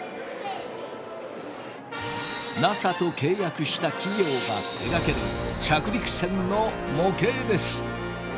ＮＡＳＡと契約した企業が手がける着陸船の模型です。